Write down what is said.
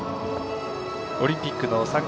オリンピックの参加